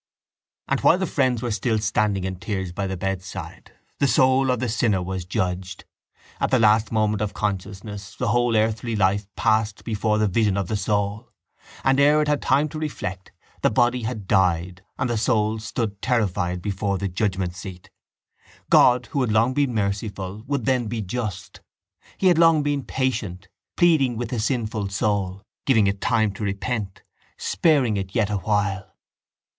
And while the friends were still standing in tears by the bedside the soul of the sinner was judged. At the last moment of consciousness the whole earthly life passed before the vision of the soul and, ere it had time to reflect, the body had died and the soul stood terrified before the judgement seat. God, who had long been merciful, would then be just. He had long been patient, pleading with the sinful soul, giving it time to repent, sparing it yet awhile.